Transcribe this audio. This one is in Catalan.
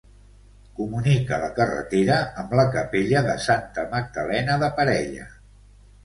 Comunica la carretera amb la capella de Santa Magdalena de Parella.